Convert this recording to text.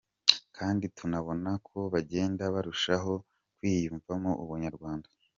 Kandi tunabona ko bagenda barushaho kwiyumvamo ubunyarwanda.